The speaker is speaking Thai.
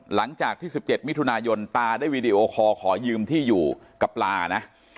หลังจากที่๑๗มิถุนายนตาได้วีดีโอคอลขอยืมที่อยู่กับปลานะ